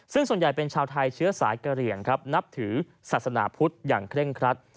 ซึ่งส่วนใหญ่เป็นชาวไทยเชื้อสายกระเหลี่ยงครับนับถือศาสนาพุทธอย่างเคร่งครัด